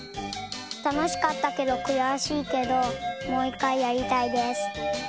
たのしかったけどくやしいけどもういっかいやりたいです。